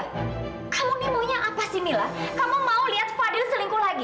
kamu nih maunya apa sih mila kamu mau lihat fadil selingkuh lagi